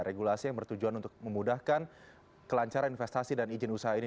regulasi yang bertujuan untuk memudahkan kelancaran investasi dan izin usaha ini